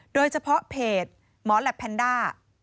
โดยเฉพาะเพจหมอแหลปแพนด้า